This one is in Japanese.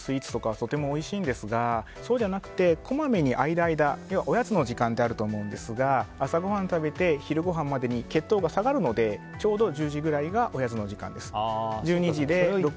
とてもおいしいんですがそうじゃなくてこまめに間、間おやつの時間であると思うんですが朝ごはん食べて昼ごはんまでに血糖が下がるのでちょうど１０時ぐらいがおやつの時間です。